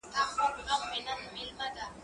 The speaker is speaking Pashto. زه هره ورځ کتابونه لولم؟!